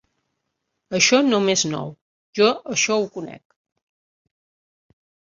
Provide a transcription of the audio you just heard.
Això no m'és nou, jo això ho conec